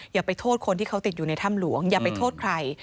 อย่าไปโทษคนที่เขาติดอยู่ในถ้ำหลวงอย่าไปโทษใคร